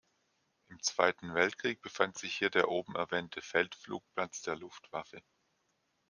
Im Zweiten Weltkrieg befand sich hier der oben erwähnte Feldflugplatz der Luftwaffe.